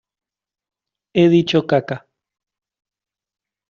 he dicho caca.